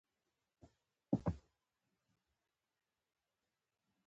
دوی د عمل کولو یو ستر ځواک پیدا کوي